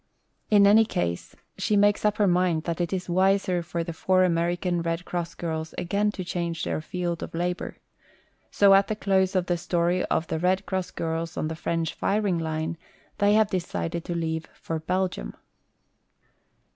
In any case, she makes up her mind that it is wiser for the four American Red Cross girls again to change their field of labor. So at the close of the story of "The Red Cross Girls on the French Firing Line," they have decided to leave for Belgium.